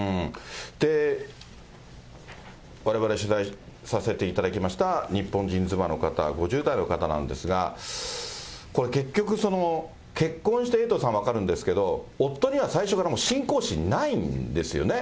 われわれ取材させていただきました日本人妻の方、５０代の方なんですが、これ結局、結婚して、エイトさん、分かるんですけど、夫には最初から信仰心ないんですよね。